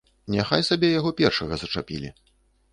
Няхай сабе яго першага зачапілі.